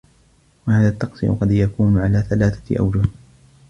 وَهَذَا التَّقْصِيرُ قَدْ يَكُونُ عَلَى ثَلَاثَةِ أَوْجُهٍ